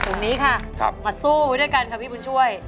ตรงนี้ค่ะมาสู้ด้วยกันค่ะพี่บุญช่วย